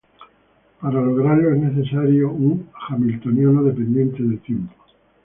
Para lograrlo es necesario un hamiltoniano dependiente del tiempo.